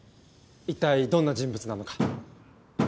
一体どんな人物なのか。